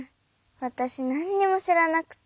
わたしなんにもしらなくて。